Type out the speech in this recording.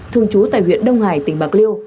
thường trú tại huyện đông hải tỉnh bạc liêu